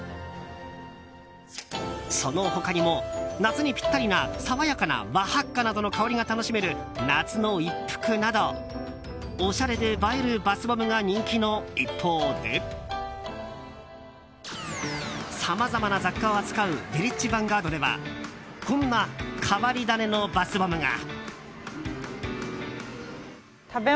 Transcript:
その他にも、夏にピッタリな爽やかな和ハッカなどの香りが楽しめる夏の一服などおしゃれで映えるバスボムが人気の一方でさまざまな雑貨を扱うヴィレッジヴァンガードではこんな変わり種のバスボムが。